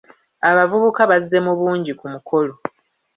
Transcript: Abavubuka bazze mu bungi ku mukolo.